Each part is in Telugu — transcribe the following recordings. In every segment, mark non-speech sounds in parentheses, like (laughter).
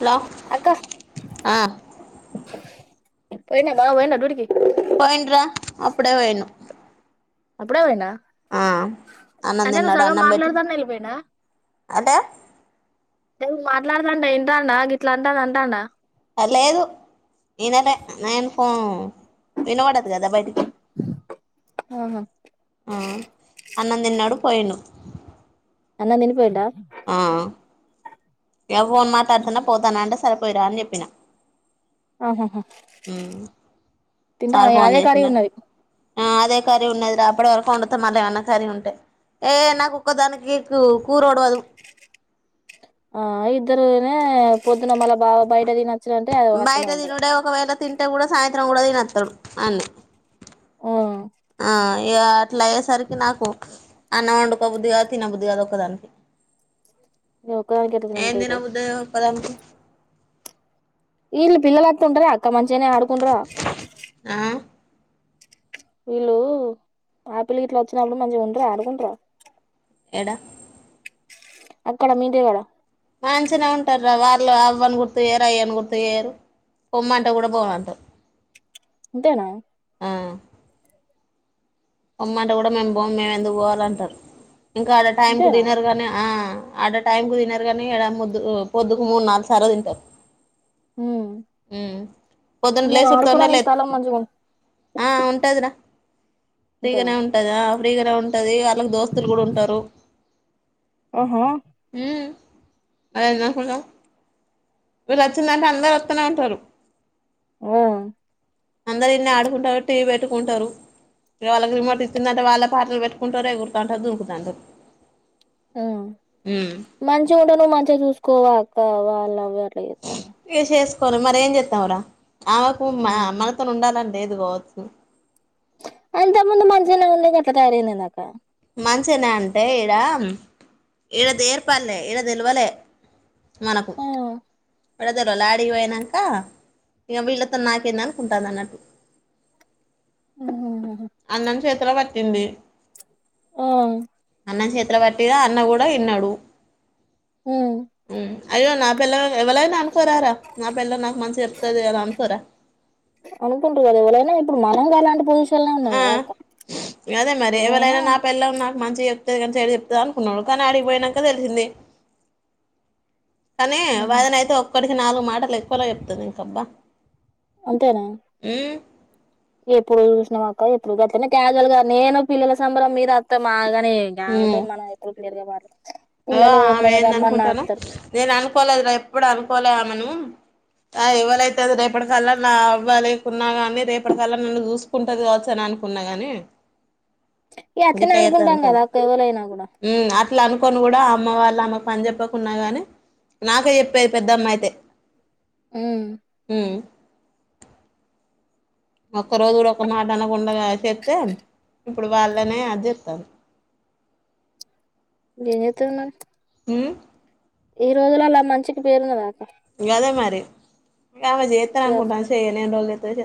హలో అక్క ఆ పోఇండా బావ పోఇండా డ్యూటీకి పోయిండ్రా అప్పుడే పోఇండు అప్పుడే పోయిండా ఆ అన్నం అంటే నువ్వు తిన్నాడు సగం అన్నం పెట్టి మాట్లాడతానే వెళ్ళిపోయిండా అంటే టే నువ్ మాట్లాడుతంటే ఇంటండా గిట్లా అంటంది అంటాండా లేదు ఈనెలే నేన్ హ వినపడదు కదా బయటికి ఆహా ఆ అన్నం తిన్నాడు పోఇండు అన్నం తిని పొఇండా ఆ ఇగ ఫోన్ మాట్లడుతన్నా పోతాన అంటే స సరే పోయి రా అని చెప్పిన ఆహా తింటావ సార్ ఫోన్ ఇగదే కారి చేసిండట ఉన్నది అదే కర్రీ ఉన్నది రా అప్పటి వరకు వండుత మళ్ళ ఏమైన్నా కర్రీ ఉంటే ఏ నాకు ఒక్కదానికి కూ కూరోడువదు ఆ ఇద్దరమేనయ్ పో న మళ్ళ బావ బయటతినచ్చుడంటే అగో బయట అట్టనే ఉండంది తినుడే ఒకవేళ తింటే కూడా సాయంత్రం కూడా తినత్తడు అన్నే ఆ ఇగ అట్లా అయ్యేసరికి నాకు అన్నం వండుకొ బుద్ధి కాదు తిన బుద్ధి కాదు ఒక్క దానికి ఇగ ఒక్కదనికి ఎట్ల తినబుద్దాయితది క్కదన్ ఇల్ పిల్లలత్తుంట్ర అక్క మంచిేగనే ఆడుకుంట్ర ఆ వీళ్ళు పాపిలిగిట్లా వచ్చినప్పుడు మంచిగా ఉంట్ర ఆడుకుంట్ర ఎడ అక్కడ మీదే వాడ మంచిగా ఉంటార్రా వాళ్ళు అవ్వని గుర్తు వేయరు అయ్యని గుర్తుయేరు పొమ్మంటే కూడా పోనంటారు ఇంతేనా ఆ పొమ్మంటే కూడా మేము పోమ్ మేము ఎందుకు పోవాలంటారు ఇంకా ఆడ టైం కు ఇంతేనా తినరు గాని ఆ ఆడ టైం కు తినరు కానీ ఈడ ముద్దు పొద్దుకు మూడు నాలుగు సారే తింటారు ఉమ్ ఊ పొద్దున కొంచెం లేేసుర్తేనే ఆడుకోవడానికి లే స్థలం మంచిగా ఆ అంటాదిరా పీ గనే ఉంటదా ఫ్రీగానే ఉంటది వాళ్ళకి దోస్తులు కూడా ఉంటారు ఆహా (unintelligible) ఈడొచ్చిందంటే అందరూ వొత్తనే ఉంటరు ఓ అందరు ఈడనే ఆడుకుంటారు టీ వీ పెట్టుకుంటారు వాళ్ళకి రిమోట్ ఇచ్చిందంటే వాళ్ళే పాటలు పెట్టుకుంటారు ఎగురుతాంటారు దూకుతాంటారు ఆ మంచోడని మంచిగా చూస్ కోవా కో వాళ్ళదే అట్ల ఏత్తానే కోని మరేం జేత్తావురా ఆమెకు మా మనతోనే ఉండాలని లేదు కావచ్చు అంత ముందు మంచిజన ఉంది కత టర న నాక మంచిన అంటే ఈడ ఈడ దేర్పల్లే ఈడ తెలివలే మనకు ఆ పడదారు లాడ అయినాక ఇంక వీళ్ళతో నాకేంద అనుకుంటుంది అన్నట్టు ఉ అన్నం చేత్ర ప పిల్లి అ అన్నం చేతి పట్టి అన్న కూడా విన్నాడు హ అయ్యో నా పళ్ల ఎవళ నా అనుకోరా నా పిల్ల నాకు మంచిగా చెప్తుది అలా అనుకోరా అనుకుంటారు కదా ఎవలనా ఇప్పుడు మనంగా అలాంటి పజి ఆ అదే మరి ఎవరైనా నా పెళ్ళన్నాకు మంచిగా చెప్తుంది కానీ స చెప్తుంది అనుకున్నాడు కానీ ఆడిగిపోయియాక తెలిసింది కానీ వాదన అయితే ఒక్కడి ఈ నాలుగు మాటలు ఎక్కువ చెప్తది ఇంకబ్బా అంతేనా ఉమ్ ఎప్పుడు చూసినా అక్క ఎప్పుడు గట్ట క్యాజువల్ గా నేను పిల్లల సంబరం మీద అస్త మాగా ఉమ్ మనం ఎప్పుడు క్లియర్గాలదు ఓ ఆమె ఏందనుకుంటానా నేను అనుకోలేదు రా ఎప్పుడూ అనుకోలే (inaudible) ఎవ్వలైతే రేపటికల్లా నా అవ్వాలేకున్నా గాని రేపటికల్లా ఉన్ను చూసుకుంటాది కావచ్చు అని అనుకున్నా గాని ఇగ అట్లనే గిట్ల చేత్తది అనుకుంటాం కదా అనుకోలే ఒక్క (inaudible) కూడా ఉమ్ అట్లా అనుకోని కూడా అమ్మ వాళ్ళు ఆమెకు పని చెప్పకున్నా కాని నాకే చెప్పేది పెద్దమ్మ అయితే ఉమ్ ఊ ఒక్క రోజు కూడా ఒక్క మాట అనగున్ (unintelligible) ఇప్పుడు వాళ్ళనే అది చేత్తారు ఏదైతేనా ఊ ఈ రోజులల్లా మంచికి పేరున్నదాక్కా గదే మరి ఇంగామె చేత్తా మంచిగా అనుకుంటాం అరుస్తాం చేయలే (inaudible) తేదే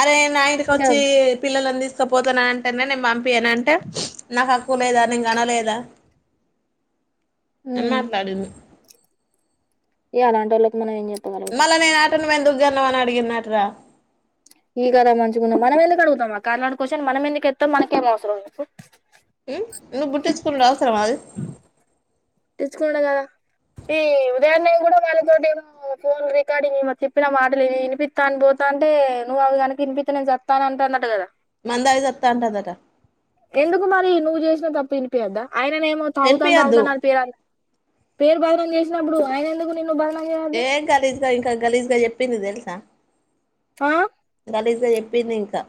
అరే నా ఇంకా ఇంటికొచ్చి పిల్లలన్ దీస్ ఇక పోతున్న అంటేనే నేను పంపియ్యనంటే నాకు హక్కు లేదా నేను కనలేదా న ఉమ్ మాట్లాడును అలాంటళ్ల మ గు పట్టన ఎందుకుగాన్నామని అడిగన్నటు్రా ఈ కదా మంచిగాంద మనం ఎందుకు అడుగుతామా కననాడు కోచ్చని మనం ఎందుకుెస్తాం మనకేం అవసరం ఉమ్ నువ్వు పుట్టించుకునుడు అవసరమా అది తీసుుకున్నాం కదా ఈ ఉదయంన్నే కూడా వాళ్ళతోటి ఏమో ఫోన్ రికార్డింగ్ చెప్పిన మాటలు వినిపిస్తా అని పోతా అంటే నువ్వు అవి కనుక వినిపిా నేను చెస్తాను అంటే అన్నట్టు కదా మందాగి సత్తాంటదట ఎండు కుమారి నువ్వు చేసి తప్ప ఇనిపియాదా అయననేమో తగ్త తగ్త వినిపియద్దు అవుదా పేరు బదనం చేసినప్పుడు ఆయన ఎందుకు నిన్ను బ ఏ గలీష్ గా ఇంకా గలీష్ గా చెప్పింది తె స ఆ స చెప్పింది ఇంకా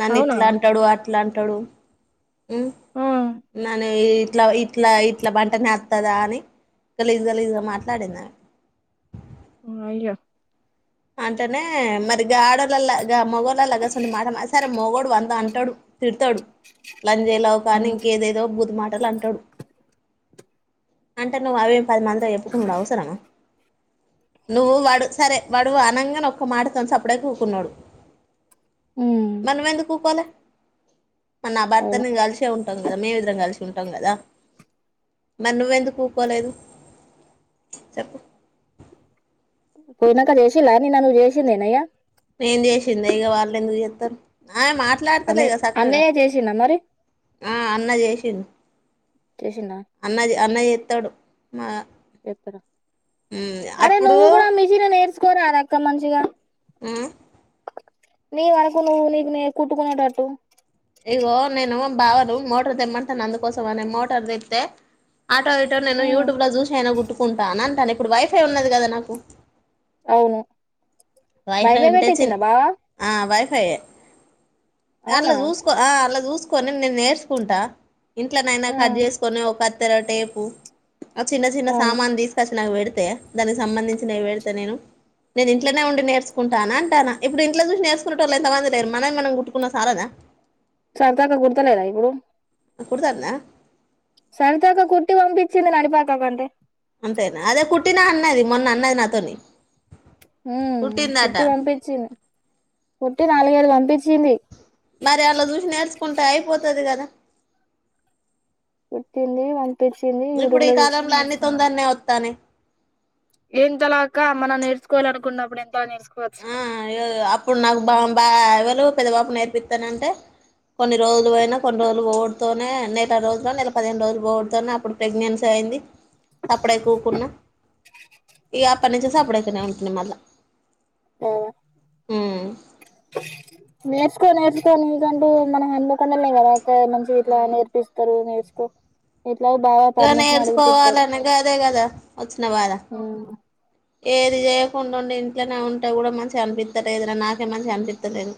నన్న అవునా ఇట్లా అంటాడు అ ఇట్లా అంటాడు ఆ నని ఇట్లా ఇట్లా ఇట్లా బంట నస్తుందా అని కలీజ కలీజ్గా మాట్లాడిందాన్ని అయ్య అంటేనే మరి గాడోలలాగా మొగోళ్లలాగాస్ం మాట సే మొగోడు వంద అంటాడు తిడతాడు జేలవకాని ఇంకేదైదో బుద్ మా అంటాడు అంట నువ్వు అవేం పది మందితో చెప్పుకోడం అవసరమా నువ్వు వాడు సరే అడు అనంగాన ఒక్క మాటతోన చప్పుడే కూకున్నాడు ఉమ్ మనం ఎందుకు ఊకోవాలె మన ఆ అవును భర్తను కలిసే ఉంటది కదా మేం ఇద్దరం కలిసి కుంటాం కదా మరి నువ్వెందుకు ఊకోలేదు చెప్పు కునాక చేసినాని నను జ చేసందేన అయ్య ఏం చేసింది ఇగ వాళ్ళ ఎందుకు చెస్తారు ఆమె మాట్లాడతలే అన్నయ్య కదా సక్కగా అన్నయ్య చేసిండా మరి ఆ అన్న చేసిండు చేసిండా అన్న అన్న చెస్తాడు మా చెప్తారా ఊ అప్పుడు స్కోర్ రాదక్క మంచిగా ఊ నీవు అనుకు నువ్వు నీకు నే కుట్టుకునేట అటు ఇగో నేను బావను మోటార్ దెమ్మంటతాను అందుకోసం అనే మోటార్ దెత్తె ఆటో ఇటో నేను ఉమ్, యూట్యూబ్ లో చూస అయినా కుట్టుకుంటాను కానీ ఇప్పుడు వైఫై ఉన్నది కదా నాకు అవును వైఫై వైవే ఉంటే చి పెట్టించిండా బావా ఆ వైఫై పై యె అలా అవునా చూసుకో అలా చూ చూసుకొని నేను నేర్చుకుంటా ఇంట్ల నైనా కట్ ఉమ్, చేసుకొని ఒక కత్తెర టేపు ఆ చిన్న చిన్న అవును సామాను తీసుకొచ్చి నాకు పెడితే తెదానికి సంబంధించి నయి పెడితే నేను నేను ఇంట్ల ఇంట్లో ఉండి నేర్చుకుంటా అంటా నంటనఇప్పుడు చూసి నేర్చకునే వాళ్ళ ఎంతంది లేరు మనం మనం గుట్కున్న సాలదా సరదాగా కూడతలేదా ఇప్పుడు కుడుతాన్నా సారితక్క కుట్టి పంపించింది నడిపాకకు అంతే అంతేనా అదే కుట్టిన అన్నది మొన్న అన్నది నాతోని ఉ కుట్టిందట కుట్టి పంపించింది కుట్టి నాలుగైదు పంపించింది మరే అల్ల జూసి నే కుంటే అయిపోతది కదా కుట్టింది పంపించింది ఇప్పుడు యూట్యూబ్ ఈ లో చూసి కాలంలో అన్ని నేర్చుకున్నా తొందరనే వత్తానయి ఎంతలా అక్క మనం నేర్చుకోవాలనుకున్నప్పుడు ఎంతలా ఆ నేర్చుకోవచ్చు ఇగ అప్పుడు నాకు బ బ లు పెద్ద బాపు నేర్పిత్తనంటే కొన్ని రోజులు పోయిన కొన్ని రోజులు పోవుడుతోనే నేల రోజులు నెల పదిహేను రోజులు పోవుడుతోనే అప్పుడు ప్రెగ్నెన్సీ అయింది సప్పుడేక ఊకున్న ఇక అప్పటి నుంచి సప్పుడెక్కనే ఉంటున్న మళ్ళ ఆ ఉమ్ నేర్చుకో నేర్చుకో నీకంటూ మన హన్మకొండల్నే కదా అక్క మంచిగ ఇట్లా నేర్పిస్తారు నేర్చుకో ఇట్లా బాగా పర్మిషన్ అడిగితే ఇత్తడు నేర్చుకోవాలే అనే కదా వచ్చిన బాధ ఏది చేయకుండా ఉండే ఇంట్లోనే ఉంటే కూడా మంచిగా అనిపిత్త లేదురా నాకే మంచిగా అనిపిస్తలేదు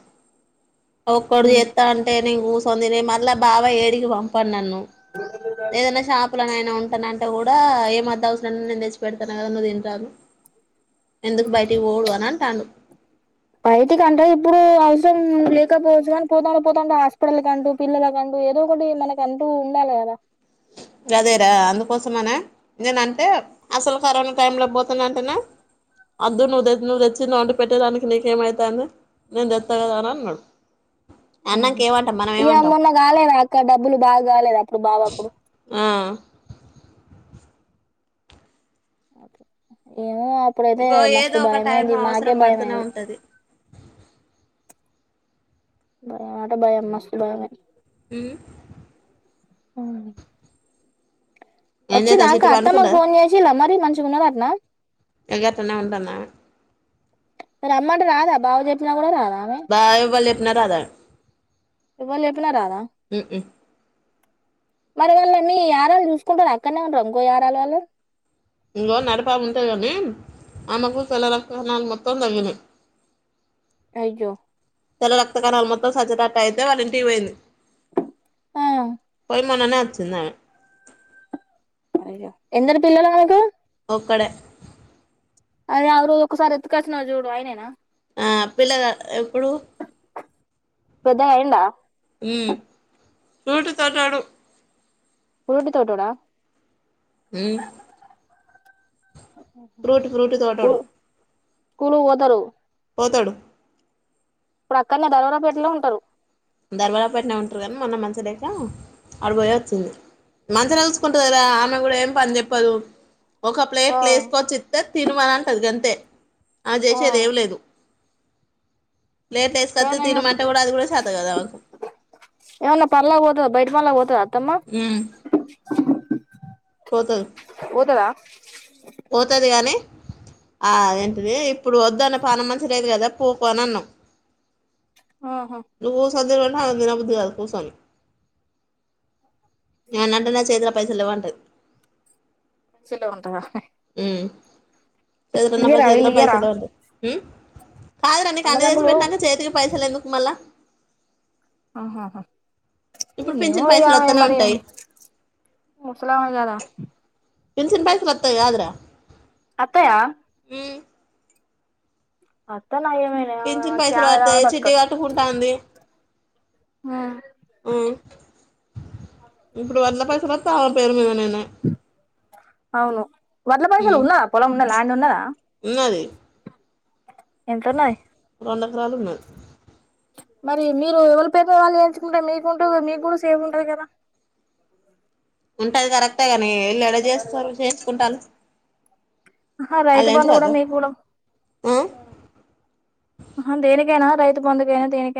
ఒక్కడు చెత్తంటేనే నేను కూ (unintelligible) మళ్ళ బావ ఏడికి పంపడు నన్ను ఏదన్నా షాపులనైనా ఉంట నంటే కూడా ఎమొద్దు అవసరలే నేను తెచ్చి పెడతాన కదా నువ్వు తినరాదు ఎందుకు బయటి పోవుడు అని అంటాడు లేకపోవచ్చ కాని పోతాంటే పోతాంటే హాస్పిటల్ కంటూ పిల్లలకంటూ ఏదో ఒకటి మనకంటూ ఉండాలి కదా అదేరా అందుకోసమనే నేనంటే అసలు కరోనా టైంలోనే పోతనంటేనే వద్దు నువ్వు తె నువ్వు తెచ్చింది వండి పెట్టేదానికి నీకేమవుతుంది నేను తెస్తా కదాని అన్నాడు అన్నంక ఏమంటాం మనం ఇగ ఏమంటాం మొన్న కాలేదా అక్క డబ్బులు బాగా కాలేదా అప్పుడు బావ కి ఆ (unintelligible) అప్పుడైతే ఇగో మస్తు ఏదో ఒక టైం భయమైంది మాకే అవసరం పడుతూనే భయమయింది ఉంటది భయమంటే భయం మస్తు భయమయ్యింది అ అవును ఏం వచ్చిర్రా చేద్దాం అక్క చిట్టి అత్తమ్మకు పండుకున్నదా ఫోన్ చేసిల్ల మరి మంచిగ ఉన్నదాట్నా ఇగ గట్లనే ఉంటందామె రమ్మంటే రాదా బావ చెప్ప ప్పిన కూడా రాదా బావ ఎవ (unintelligible) ఎవ్వలు చెప్పినా రాదా ఉమ్ మరి వాళ్ళ మీ యారాలు చూసుకుంటదా అక్కడనే ఉంటరా ఇంకో యారాలు వాళ్ళ ఇంకో నడిపామే ఉంటది కాని ఆమెకు తెల్ల రక్త కణాలు మొత్తం తగ్గినయి అయ్యో తెల్ల రక్త కణాలు మొత్తం సజరాట అయితే వాళ్ళ ఇంటికి పోయింది ఆ మననే వచ్చింది అమె అయ్య ఎందరు పల్లలు మానాకు ఒకాడే అదే ఆ రోజు ఒకసారి ఎత్తుకల్సినవ్ చూడు ఆయననా ఆ పిల్లగా ఎప్పుడు పెధాగా అయిండా ఉమ్ చూటు తోటూడా ఫ్రూటు తోటూడా ఉమ్ ఫ్రూట్ ఫ్రూట్ తోటోడు స్కూల్‌కు పోతారు పోతాడు ఇప్పుడు అక్కడనే ధర్వరాపేటలో ఉంటారు దర్బారా పట్నం ఉంటారు కనీ మొన్న మంచి ట్లా ఆడబయే వచ్చింది మంచిగార కలుసుకుంటురు కదా ఆమె కూడా ఏం పని చెప్పదు ఒక ఆ ప్లేట్ వసుకొచ్చిస్తతే తిను మన అంటది గంతే ఆ చేసేది ఎమ్ లేదు ప్లేట్‌లో వేసుకో తినమాటే కూడా అది కూడా షా ఎవనా పర్లగఓదు బయట మలాదు తమా ఉమ్ పోతది పోతది కాని ఆ ఏంటది ఇప్పుడు వద్దు అన్న పాన మంచి లేదు కదా పోకు అనియన్నం ఆహా నువు సద అరంందిన బుద్ధి కధు కూసోని ఎమానా ఆనంటనే చేథిలో పైసలు లెవ్ అంటాది సల్ అంటాదా ఉమ్ దగ్గర ఉన్న ఇయ్యరా చేతిలో వీళ్ళు ఇయ్యరా పైసలు లేవు అంటాది ఉమ్ కాదు ర కన్న చేసి అన్నదమ్ములు పెట్టాక చేతికి పైసలెందుకు మళ్ళ ఆహాహా ఏమో పింఛన్ పైసలు ఇగ వత్తనే మరి ఉంటాయి ముసలామ గాద పింఛన్ పైసలు వస్తాయి కాదు రా అత్తయ్య ఉ అ పింఛన్ పైసలు పడతాయి చిట్టి కట్టుకుంటాంది ఆ ఇప్పుడు వడ్ల పైసలు వత్తే వాళ్ళ పేరు మీద నినే అవును వడ్ల పైసలు ఉన్నదా పొలం ఉన్నదా ల్యాండ్ ఉన్నది ఎంతన్నవి పండకరాలు ఉన్నాయి మరి మీరు ఎవరి పేరుమ వాళ్ళు వయించుకుంటే మీకుంటూ మీకు కూడా సేఫ్ ఉంటది కదా ఉంటది కరెక్టే ఏలూ ఏడ చేస్తరు చేసుకుంట ఆహా రైతు అలాంటి బంధు కూడా కదు మీకు కూడా ఉ రైతుబంధు కనే దేనికి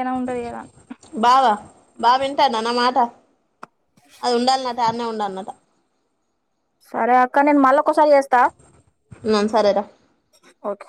బావా బావే అన్న మాట అది ఉండాలన్నట ఆనే ఉండాలన్నట సరే అక్క నేన్ మళ్ళ ఇంకోసారి చేస్తా సరేరా ఓకే